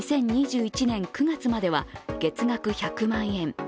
２０２１年９月までは月額１００万円。